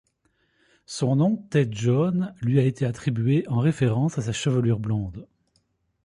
Son nom Tête Jaune lui a été attribué en référence à sa chevelure blonde.